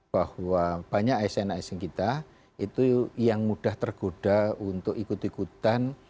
bahwa banyak asn asn kita itu yang mudah tergoda untuk ikut ikutan